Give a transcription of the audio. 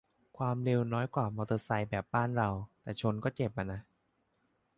ความเร็วน้อยกว่ามอเตอร์ไซค์แบบบ้านเรา แต่ชนก็เจ็บอะนะ